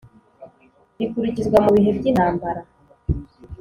Bikurikizwa mu bihe by intambara